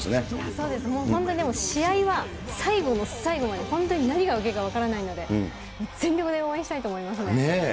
そうですね、本当に試合は最後の最後まで、本当に何が起きるか分からないので、全力で応援したいと思いますね。ねぇ。